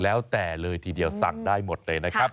แล้วแต่เลยทีเดียวสั่งได้หมดเลยนะครับ